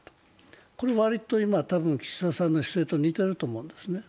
これはたぶん今、岸田さんの姿勢と似ていると思うんですね。